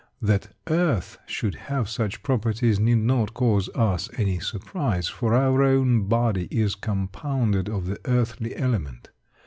That earth should have such properties need not cause us any surprise, for our own body is compounded of the earthly element.